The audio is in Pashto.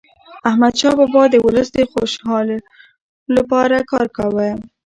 احمدشاه بابا د ولس د خوشحالیلپاره کار کاوه.